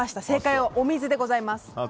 正解はお水でございます。